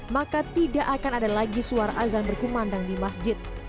maka tidak akan ada lagi suara azan berkumandang di masjid